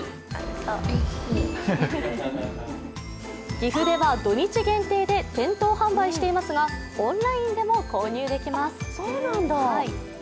岐阜では土日限定で店頭販売していますがオンラインでも購入できます。